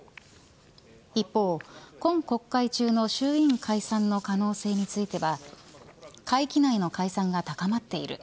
一方、今国会中の衆院解散の可能性については会期内の解散が高まっている。